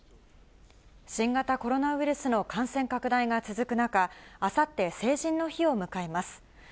新型コロナウイルスの感染拡大が続く中、あさって成人の日を迎えます。